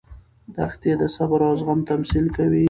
دښتې د صبر او زغم تمثیل کوي.